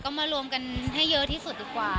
ก็มารวมกันให้เยอะที่สุดดีกว่า